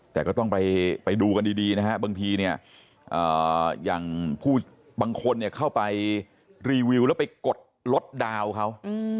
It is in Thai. แต่ก็ต้องไปดูกันดีนะฮะบางทีเนี่ยอย่างผู้บางคนเข้าไปรีวิวแล้วไปกดลดดาวน์เขา